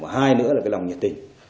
và hai nữa là cái lòng nhiệt tình